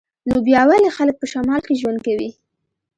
نو بیا ولې خلک په شمال کې ژوند کوي